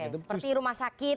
seperti rumah sakit